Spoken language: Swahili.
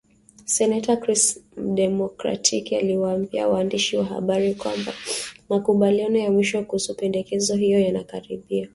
Seneta Chris, Mdemokratiki aliwaambia waandishi wa habari kwamba makubaliano ya mwisho kuhusu pendekezo hilo yanakaribia